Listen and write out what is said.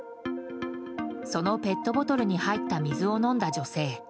そのペットボトルに入った水を飲んだ女性。